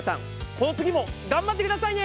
この次も頑張ってくださいね！